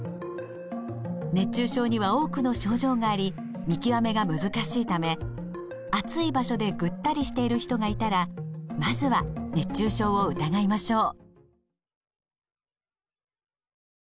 熱中症には多くの症状があり見極めが難しいため暑い場所でぐったりしている人がいたらまずは熱中症を疑いましょう。